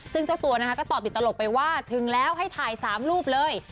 ซึ่งเจ้าตัวนะคะก็ตอบติดตลกไปว่าถึงแล้วให้ถ่าย๓รูปเลย